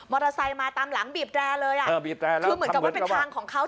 มอเตอร์ไซค์มาตามหลังบีบแดเลยคือเหมือนกับว่าเป็นทางของเขา